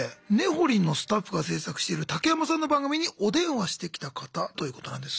ほりんのスタッフが制作している竹山さんの番組にお電話してきた方ということなんです。